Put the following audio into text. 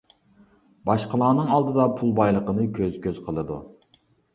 باشقىلارنىڭ ئالدىدا پۇل بايلىقىنى كۆز-كۆز قىلىدۇ.